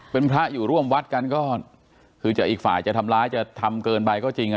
เป็นพระอยู่ร่วมวัดกันก็คือจะอีกฝ่ายจะทำร้ายจะทำเกินไปก็จริงอ่ะ